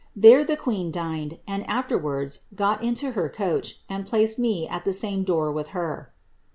There the queen dined, and afterwards got into her coach, and placed me at the same door with her.''